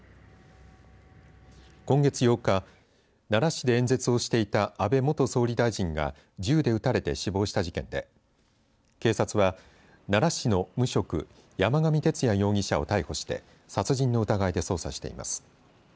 今月８日奈良市で演説をしていた安倍元総理大臣が銃で撃たれて死亡した事件で警察は、奈良市の無職山上徹也容疑者を逮捕して殺人の疑いで捜査しています。